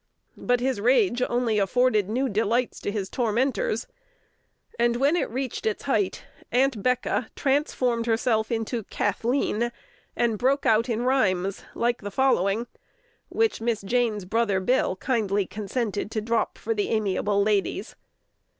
But his rage only afforded new delights to his tormentors; and when it reached its height, "Aunt'Becca" transformed herself to "Cathleen," and broke out in rhymes like the following, which Miss Jayne's brother "Bill" kindly consented to "drop" for the amiable ladies.